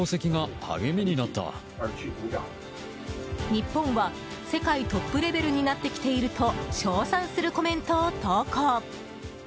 日本は世界トップレベルになってきていると称賛するコメントを投稿。